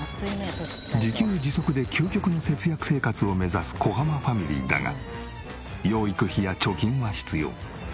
自給自足で究極の節約生活を目指す小濱ファミリーだが養育費や貯金は必要。